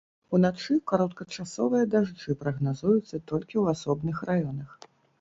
Уначы кароткачасовыя дажджы прагназуюцца толькі ў асобных раёнах.